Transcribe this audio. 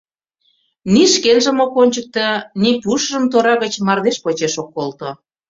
Ни шкенжым ок ончыкто, ни пушыжым тора гыч мардеж почеш ок колто...